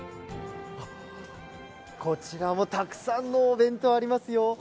こちらもたくさんのお弁当ありますよ。